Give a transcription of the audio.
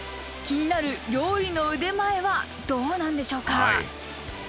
気になる料理の腕前はどうなんでしょうか？